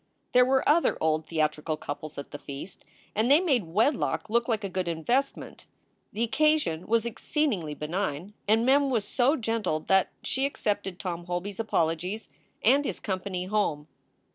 There were other old theatrical couples at the feast, and they made wedlock look like a good investment. The occa sion was exceedingly benign, and Mem was so gentled that she accepted Tom Holby s apologies and his company home.